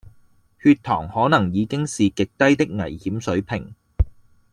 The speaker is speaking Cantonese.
血糖可能已經是極低的危險水平